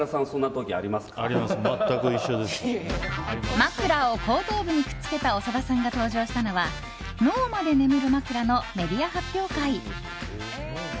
枕を後頭部にくっつけた長田さんが登場したのは脳まで眠る枕のメディア発表会。